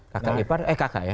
kakak ipar eh kakak ya